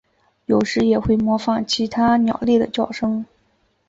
有时也会模仿其他鸟类的叫声。